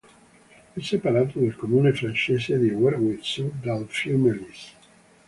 È separato dal comune francese di Wervicq-Sud dal fiume Lys.